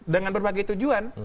dengan berbagai tujuan